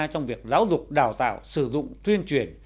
trong việc giáo dục đào tạo sử dụng tuyên truyền